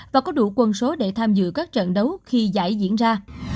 và có đủ quân số để tham dự các trận đấu khi giải diễn ra